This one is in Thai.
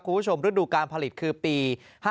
คุณผู้ชมฤดูการผลิตคือปี๕๙๖๐